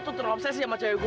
tentu lu obsesi sama cewek gue